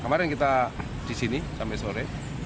kemarin kita di sini sampai sore